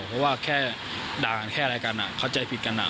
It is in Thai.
เพราะว่าแค่ด่ากันแค่อะไรกันเข้าใจผิดกัน